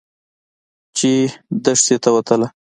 چې دښتې ته وتله.